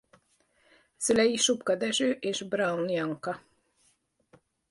Szülei Supka Dezső és Brown Janka.